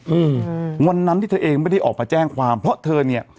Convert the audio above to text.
อืมวันนั้นที่เธอเองไม่ได้ออกมาแจ้งความเพราะเธอเนี้ย